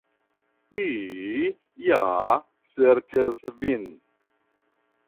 Mi ja serĉas vin.